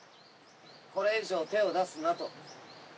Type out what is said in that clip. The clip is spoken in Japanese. これ以上手を出すなと。